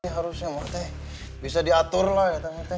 harusnya mah teh bisa diatur lah katanya teh